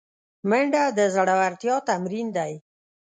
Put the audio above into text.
منډه د زړورتیا تمرین دی